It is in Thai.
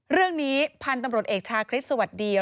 เรื่องนี้พันธุ์ตำรวจเอกชาคริสต์สวัสดี